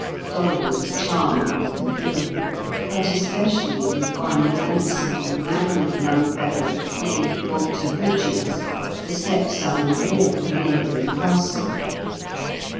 Dolly was charmed with them all, but especially with one handsome and manly young fellow named Walter Brydges, the stepson and ward of a neighbouring parson.